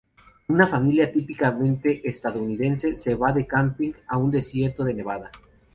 Una familia típicamente estadounidense se va de camping a un desierto de Nevada.